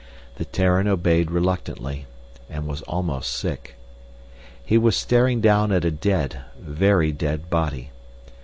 The Terran obeyed reluctantly and was almost sick. He was staring down at a dead, very dead body.